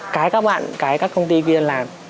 cái các bạn cái các công ty viên làm